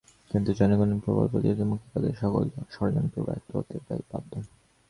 কিন্তু জনগণের প্রবল প্রতিরোধের মুখে তাদের সকল ষড়যন্ত্র ব্যর্থ হতে বাধ্য।